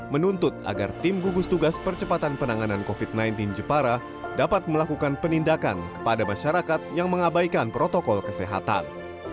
menuntut agar tim gugus tugas percepatan penanganan covid sembilan belas jepara dapat melakukan penindakan kepada masyarakat yang mengabaikan protokol kesehatan